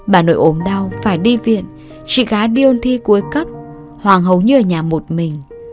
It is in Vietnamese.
bà nội ốm đau phải đi viện chị gái đi ôn thi cuối cấp hoàng hầu như ở nhà một mình